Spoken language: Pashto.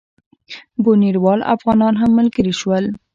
بُنیروال افغانان هم ملګري شول.